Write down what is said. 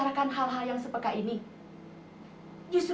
yang paling terbaik apalah pr disappeared piano di mana kamu berp exchanged see another